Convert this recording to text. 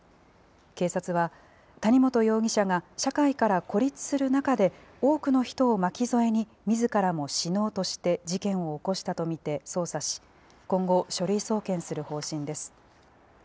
警察は、谷本容疑者が社会から孤立する中で、多くの人を巻き添えにみずからも死のうとして事件を起こしたと見て捜査し、今後、書類送検する方針です。